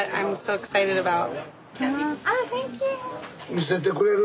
見せてくれる？